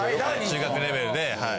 中学レベルではい。